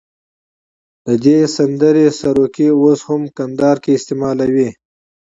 د دې سندرې سروکي اوس هم کندهار کې استعمالوي.